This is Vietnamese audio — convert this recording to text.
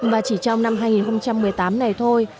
và chỉ trong năm hai nghìn một mươi tám này thôi